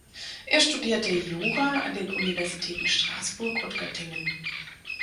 Er studierte Jura an den Universitäten Straßburg und Göttingen.